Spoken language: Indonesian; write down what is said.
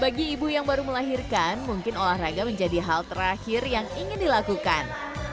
bagi ibu yang baru melahirkan mungkin olahraga menjadi hal terakhir yang ingin dilakukan